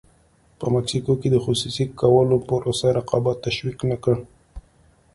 په مکسیکو کې د خصوصي کولو پروسه رقابت تشویق نه کړ.